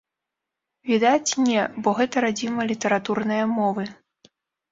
Відаць, не, бо гэта радзіма літаратурнае мовы.